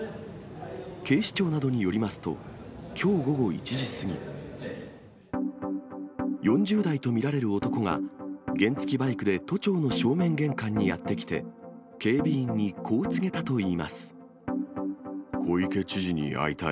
警視庁などによりますと、きょう午後１時過ぎ、４０代と見られる男が、原付きバイクで都庁の正面玄関にやって来て、警備員にこう告げた小池知事に会いたい。